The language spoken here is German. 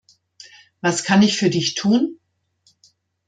Was kann ich für dich tun?